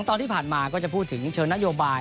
ตอนที่ผ่านมาก็จะพูดถึงเชิงนโยบาย